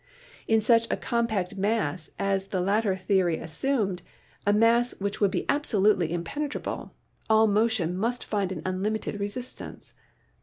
In such a compact mass as the latter theory as sumed, a mass which would be absolutely impenetrable, all motion must find an unlimited resistance.